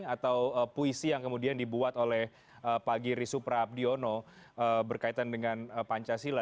atau puisi yang kemudian dibuat oleh pak giri supra abdiono berkaitan dengan pancasila